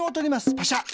パシャ。